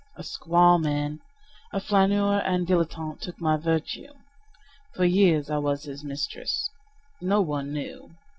A squaw man, a flaneur and dilettante took my virtue. For years I was his mistress—no one knew.